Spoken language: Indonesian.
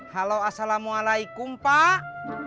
halo assalamualaikum pak